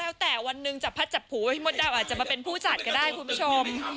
แล้วแต่วันหนึ่งจับพัดจับผูว่าพี่มดดำอาจจะมาเป็นผู้จัดก็ได้คุณผู้ชม